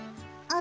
あ。